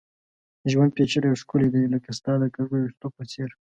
ژوند پېچلی او ښکلی دی ، لکه ستا د کږو ويښتو په څېر